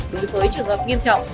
đối với trường hợp nghiêm trọng